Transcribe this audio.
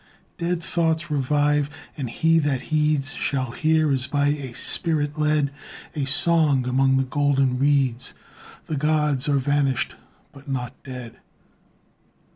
Dead thoughts revive, and he that heeds Shall hear, as by a spirit led, A song among the golden reeds: "The gods are vanished but not dead!"